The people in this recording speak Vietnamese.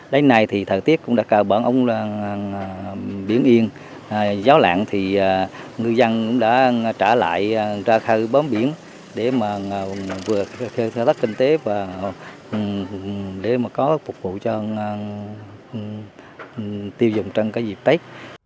đến nay thì thời tiết cũng đã cao bản ống biển yên gió lạng thì ngư dân cũng đã trả lại ra khai bán biển để vượt khai thác kinh tế và có phục vụ cho tiêu dùng trong dịp tết